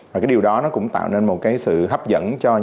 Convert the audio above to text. và điều đó cũng tạo nên một sự hấp dẫn cho những